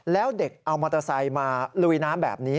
แล้วเด็กเอามอเตอร์ไซค์มาลุยน้ำแบบนี้